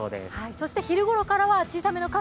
そして昼ごろからは小さめの傘。